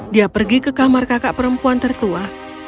dia pergi ke kamar kakak perempuan tertua